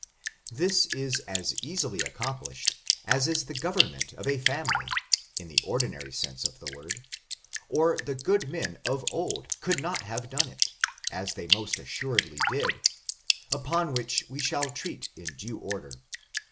This is as easly accomplished as is the government of a family, in the ordinary sense of the word, or the good men of old could not have done it, as they most assuredly did, upon which we shall treat in due or der.